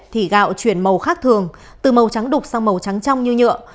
thì gạo chuyển màu khác thường từ màu trắng đục sang màu trắng trong như nhựa